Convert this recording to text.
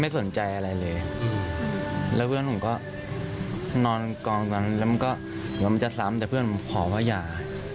แต่เพื่อนมันขอว่าอย่า